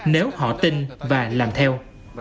nếu họ tin và làm theo